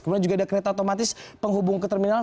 kemudian juga ada kereta otomatis penghubung ke terminal